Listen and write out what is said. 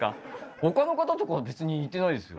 ほかの方とかは別に言ってないですよ。